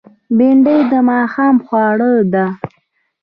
بېنډۍ د ماښام خواړه ده